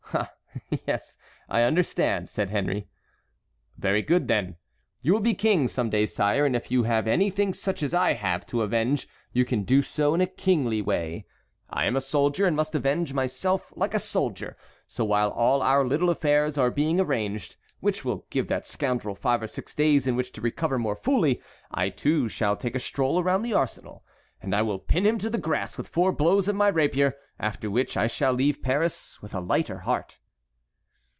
"Ah, yes, I understand," said Henry. "Very good, then. You will be king some day, sire, and if you have anything such as I have to avenge you can do so in a kingly way. I am a soldier and must avenge myself like a soldier. So while all our little affairs are being arranged, which will give that scoundrel five or six days in which to recover more fully, I too shall take a stroll around the arsenal, and I will pin him to the grass with four blows of my rapier, after which I shall leave Paris with a lighter heart."